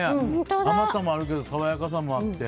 甘さもあるけど爽やかさもあって。